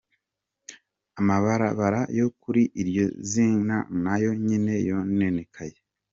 Amabarabara yo kuri iryo zinga nayo nyene yononekaye.